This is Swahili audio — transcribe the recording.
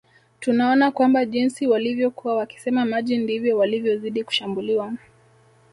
Tunaona kwamba jinsi walivyokuwa wakisema maji ndivyo walivyozidi kushambuliwa